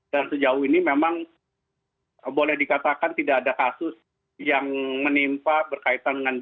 dan sejauh ini memang boleh dikatakan tidak ada kasus yang menimpa berkaitan dengan b seribu enam ratus tujuh belas